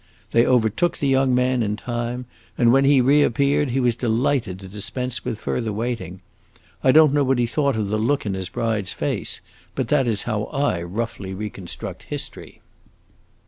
They overtook the young man in time, and, when he reappeared, he was delighted to dispense with further waiting. I don't know what he thought of the look in his bride's face; but that is how I roughly reconstruct history."